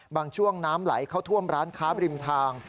ช่วงน้ำไหลเข้าท่วมร้านค้าบริมทาง